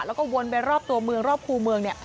แล้วก็วนไปรอบตัวเมืองรอบคู่เมือง